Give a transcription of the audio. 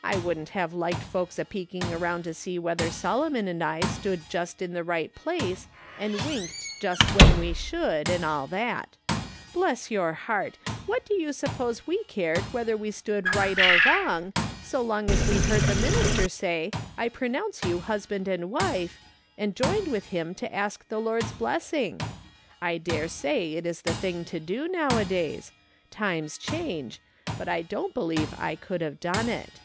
I wouldn't have liked folks a peeking around to see whether Solomon and I stood just in the right place, and winked just when we shotdd, and all that. Bless your heart ! what do you suppose we cared whether we stood right or wrong, so long as we heard the minister say, ' I pronounce you husband and wife,' and joined with him to ask the Lord's blessing ? I dare say it is the thing to do nowadays, times change, but I don't believe I could have done it."